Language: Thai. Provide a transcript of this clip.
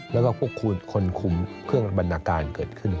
แล้วก็คุณคนคุมเพื่องปรรบรรนะการเกิดขึ้น